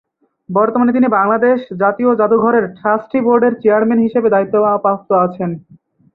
বর্তমানে তিনি বাংলাদেশ জাতীয় জাদুঘরের ট্রাস্টি বোর্ডের চেয়ারম্যান হিসেবে দায়িত্ব প্রাপ্ত আছেন।